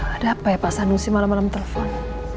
ada apa ya pak sanusi malam malam telpon